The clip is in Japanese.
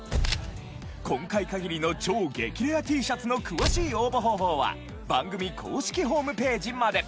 今回限りの超激レアＴシャツの詳しい応募方法は番組公式ホームページまで！